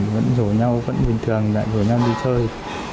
vẫn rủ nhau vẫn bình thường lại rủ nhau đi chơi